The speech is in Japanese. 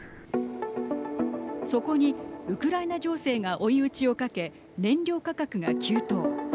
そこにウクライナ情勢が追い打ちをかけ燃料価格が急騰。